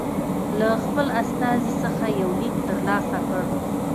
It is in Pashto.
له خپل استازي څخه یو لیک ترلاسه کړ.